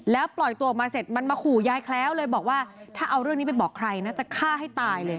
แล้วปล่อยตัวออกมาเสร็จมันมาขู่ยายแคล้วเลยบอกว่าถ้าเอาเรื่องนี้ไปบอกใครนะจะฆ่าให้ตายเลย